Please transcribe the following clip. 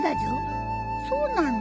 そうなの？